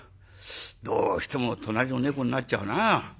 どうしても隣の猫になっちゃうな。